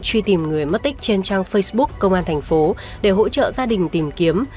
truy tìm người mất tích trên trang facebook công an thành phố để hỗ trợ gia đình tìm kiếm